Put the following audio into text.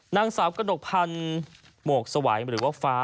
นางสาวกระหนกพันธ์หมวกสวัยหรือว่าฟ้า